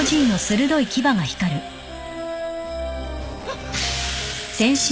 あっ！